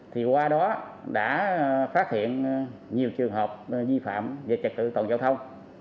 thì qua đó đã phát hiện nhiều trường hợp vi phạm về trật tự toàn giao thông